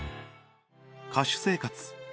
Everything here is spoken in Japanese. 歌手生活